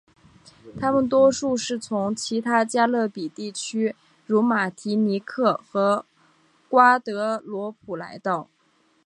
他们多数是从其他加勒比地区如马提尼克和瓜德罗普来到。